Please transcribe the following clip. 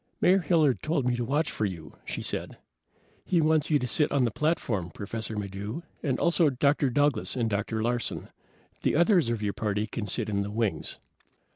"Mayor Hilliard told me to watch for you," she said. "He wants you to sit on the platform, Professor Maddox, and also Dr. Douglas and Dr. Larsen. The others of your party can sit in the wings."